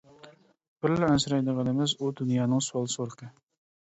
بىرلا ئەنسىرەيدىغىنىمىز ئۇ دۇنيانىڭ سوئال سورىقى.